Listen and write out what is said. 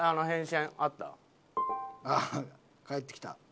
あっ返ってきた。